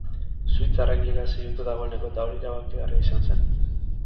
Suitzarrek liga hasi dute dagoeneko eta hori erabakigarria izan zen.